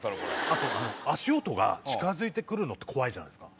あと足音が近づいて来るのって怖いじゃないですか。